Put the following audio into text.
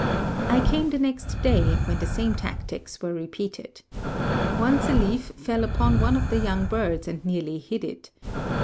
I came the next day, when the same tactics were repeated. Once a leaf fell upon one of the young birds and nearly hid it.